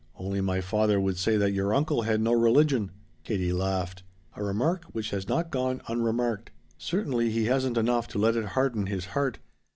"Only my father would say that your uncle had no religion." Katie laughed. "A remark which has not gone unremarked. Certainly he hasn't enough to let it harden his heart.